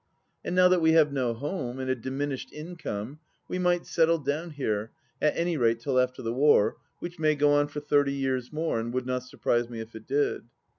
And now that we have no home and a diminished income, we might settle down here, at any rate till after the war, which may go on for thirty years more, and would not surprise me if it did.